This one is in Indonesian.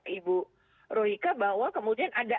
dulu kata ibu roika bahwa kemudian ada